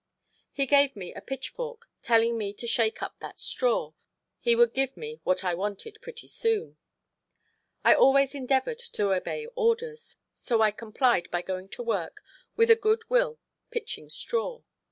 He gave me a pitchfork, telling me to shake up that straw, he would give me what I wanted pretty soon. I always endeavored to obey orders, so I complied by going to work with a good will pitching straw.